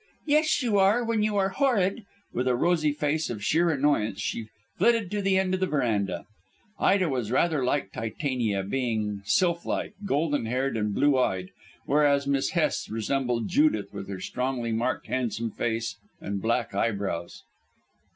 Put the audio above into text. "Yes, you are, when you are horrid," and with a rosy face of sheer annoyance she flitted to the end of the verandah. Ida was rather like Titania, being sylph like, golden haired, and blue eyed, whereas Miss Hest resembled Judith with her strongly marked handsome face and black eyebrows.